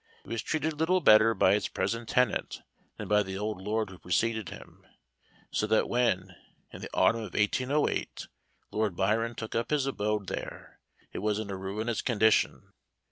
It was treated little better by its present tenant, than by the old lord who preceded him; so that when, in the autumn of 1808, Lord Byron took up his abode there, it was in a ruinous condition.